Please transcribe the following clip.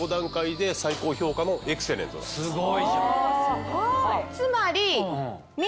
すごいじゃん！